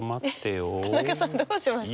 田中さんどうしました？